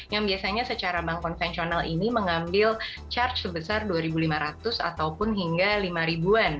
yang biasanya secara bank konvensional ini mengambil charge sebesar dua lima ratus ataupun hingga lima ribuan